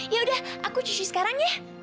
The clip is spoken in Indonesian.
ya udah aku cuci sekarang ya